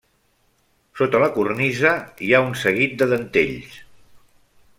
Sota la cornisa hi ha un seguit de dentells.